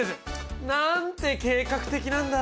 なんて計画的なんだ！